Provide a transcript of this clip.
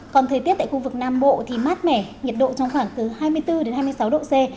còn thời tiết tại khu vực nam bộ thì mát mẻ nhiệt độ trong khoảng từ hai mươi bốn đến hai mươi sáu độ c